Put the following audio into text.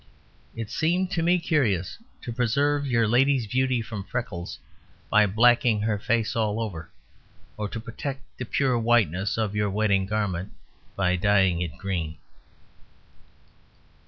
It seems to me curious to preserve your lady's beauty from freckles by blacking her face all over; or to protect the pure whiteness of your wedding garment by dyeing it green.